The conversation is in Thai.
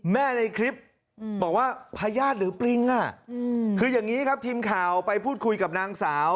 ในคลิปบอกว่าพญาติหรือปริงคืออย่างนี้ครับทีมข่าวไปพูดคุยกับนางสาว